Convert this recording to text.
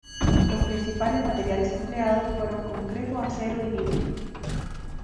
Los principales materiales empleados fueron concreto, acero y vidrio.